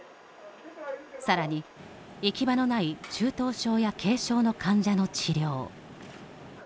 さらに、行き場のない中等症や軽症の患者の治療。